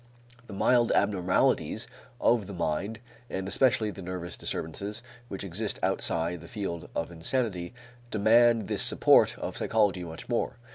The mild abnormalities of the mind, and especially the nervous disturbances which exist outside the field of insanity, demand this support of psychology much more.